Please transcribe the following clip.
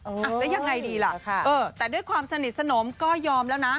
อ่ะแล้วยังไงดีล่ะเออแต่ด้วยความสนิทสนมก็ยอมแล้วนะ